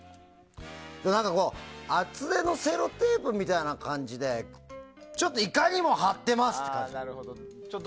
厚手のセロテープみたいな感じでちょっと、いかにも貼ってますって感じで。